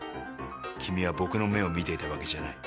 君は僕の目を見ていたわけじゃない。